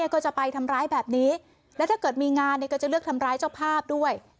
ก็จะไปทำร้ายแบบนี้แล้วถ้าเกิดมีงานเนี่ยก็จะเลือกทำร้ายเจ้าภาพด้วย